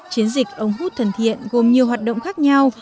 chiến dịch ống hút thân thiện gồm nhiều hoạt động khác nhau